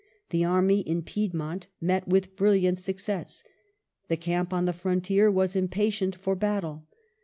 The army in Piedmont met with brilliant success. The camp on the frontier was impatient for battle.